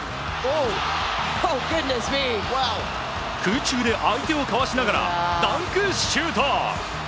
空中で相手をかわしながらダンクシュート！